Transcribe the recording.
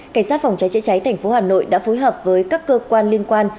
cảnh sát phòng cháy chữa cháy tp hà nội đã phối hợp với các cơ quan liên quan